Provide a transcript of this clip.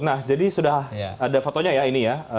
nah jadi sudah ada fotonya ya ini ya